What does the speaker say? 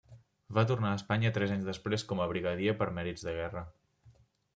Va tornar a Espanya tres anys després com a brigadier per mèrits de guerra.